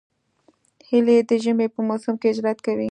هیلۍ د ژمي په موسم کې هجرت کوي